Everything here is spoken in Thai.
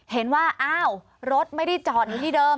เห็นว่าอ้าวรถไม่ได้จอดอยู่ที่เดิม